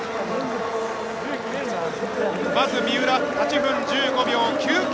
まず三浦、８分１５秒９９。